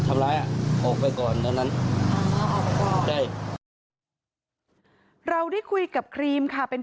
สักพักก็หายไปกันเรื่องเงินแล้วก็กลายเป็นว่ามีเหตุทำร้ายกันอีกรอบหนึ่งค่ะ